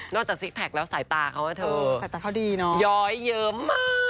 นอกจากซิคแพ็กซ์แล้วสายตาเขานะเธอย้อยเยอะมาก